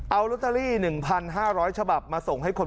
เอาลอตเตอรี่หนึ่งพันห้าร้อยฉบับมาส่งให้คนร้าย